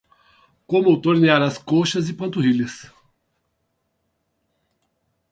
Como tornear as coxas e panturrilhas